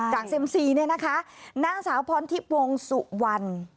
จากเซียมซีนี่นะคะนางสาวพรที่ปวงสุวัน